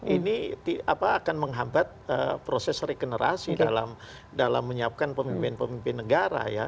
ini akan menghambat proses regenerasi dalam menyiapkan pemimpin pemimpin negara ya